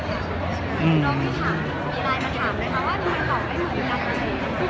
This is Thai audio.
น้องมีอะไรมาถามไหมคะว่ามันต่อไปเหมือนกันไหม